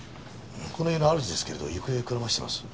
この家の主ですけれど行方をくらませてます。